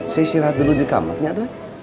saya istirahat dulu di kamar ya doi